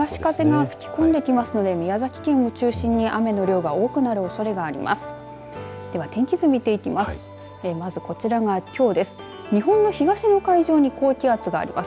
特に東風が吹き込んできますので宮崎県を中心に雨の量が多くなるおそれがあります。